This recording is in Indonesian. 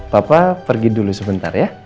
bapak pergi dulu sebentar ya